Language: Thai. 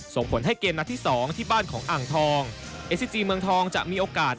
ส่งผลให้เกมนัดที่สองที่บ้านของอ่างทองเอซิจีเมืองทองจะมีโอกาส